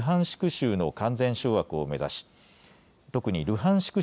州の完全掌握を目指し特にルハンシク